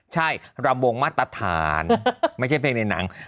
ใช่รำวงธ์มาตรฐานไม่เคยเป็นในนัง